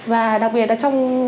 và đặc biệt là trong